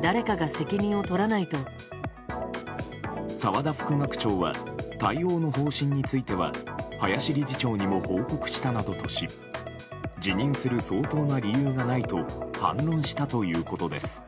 澤田副学長は対応の方針については林理事長にも報告したなどとし辞任する相当な理由がないと反論したということです。